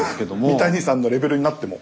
三谷さんのレベルになっても。